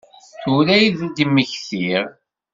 Tura i d-mmektiɣ.